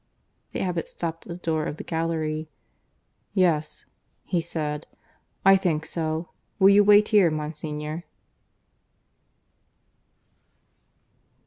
The abbot stopped at the door of the gallery. "Yes," he said, "I think so. Will you wait here, Monsignor?"